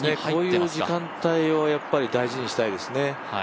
こういう時間帯を大事にしたいですね。